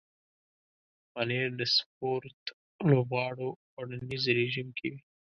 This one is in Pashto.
پنېر د سپورت لوبغاړو خوړنیز رژیم کې وي.